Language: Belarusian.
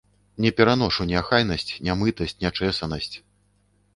Не пераношу неахайнасць, нямытасць, нячэсанасць.